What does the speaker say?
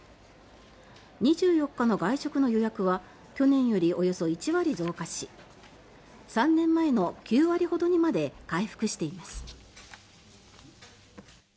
２４日の外食の予約は去年よりおよそ１割増加し３年前の９割ほどにまで回復しています。